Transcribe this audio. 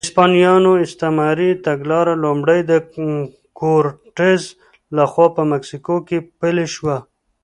د هسپانویانو استعماري تګلاره لومړی د کورټز لخوا په مکسیکو کې پلې شوه.